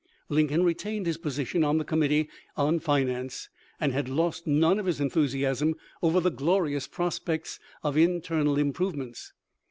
Lincoln retained his position on the Committee on Finance, and had lost none of his enthusiasm over the glorious prospects of internal improvements.